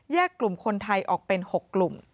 กลุ่มคนไทยออกเป็น๖กลุ่ม